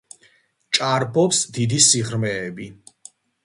ჭარბობს დიდი სიღრმეები.